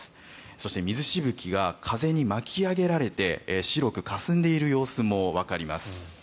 そして、水しぶきが風に巻き上げられて白くかすんでいる様子もわかります。